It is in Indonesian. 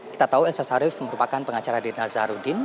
kita tahu elsa syarif merupakan pengacara di nazarudin